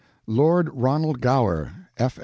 Lord RONALD GOWER, F.